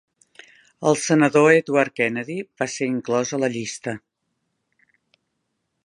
El senador Edward Kennedy va ser inclòs a la llista.